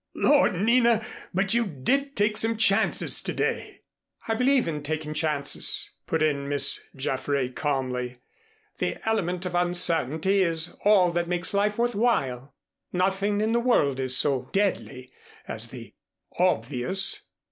"Lord, Nina, but you did take some chances to day." "I believe in taking chances," put in Miss Jaffray calmly. "The element of uncertainty is all that makes life worth while. Nothing in the world is so deadly as the obvious."